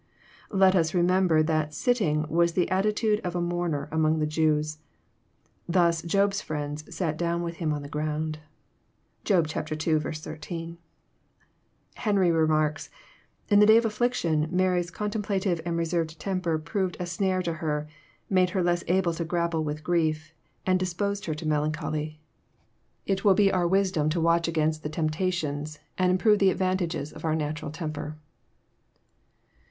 Let us remember that ''sitting" was the attitude of a mourner, among the Jews. Thus Job's fHends " sat down with him on the ground." (Job ii. 13.) Henry remarks :" In the day of affliction Mary's contem plative and reserved temper proved a snare to her, made her less able to grapple wi*h grief, and disposed her to melancholy. JOHN, CHAP. XI. 261 It will be our wisdom to watch against the temptations, and improve the advantages of our natural temper."